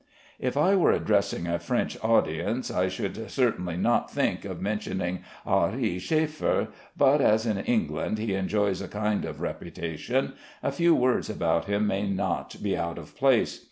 If I were addressing a French audience I should certainly not think of mentioning Ary Schäffer; but as in England he enjoys a kind of reputation, a few words about him may not be out of place.